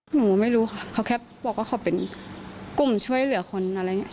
หนูไม่รู้ค่ะเขาแค่บอกว่าเขาเป็นกลุ่มช่วยเหลือคนอะไรอย่างนี้